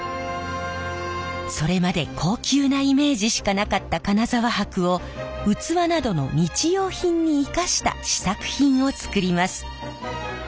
それまで高級なイメージしかなかった金沢箔を器などの日用品に生かした試作品を作ります。